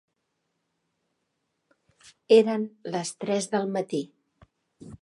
Eren les tres del matí.